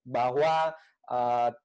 bahwa tidak serta merta